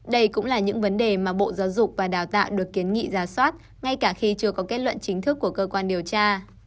đây cũng là những vấn đề mà bộ giáo dục và đào tạo được kiến nghị ra soát ngay cả khi chưa có kết luận chính thức của cơ quan điều tra